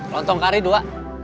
lontong kari dua